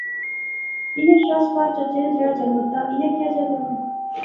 ایہہ شاہ سوار چچے ناں جہیڑا جنگت دا ایہہ کیا جا دا؟